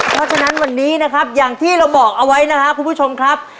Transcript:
เพราะฉะนั้นวันนี้นะครับอย่างที่เราบอกเอาไว้นะครับคุณผู้ชมครับ